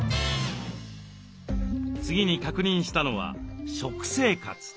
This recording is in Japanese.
次に確認したのは食生活。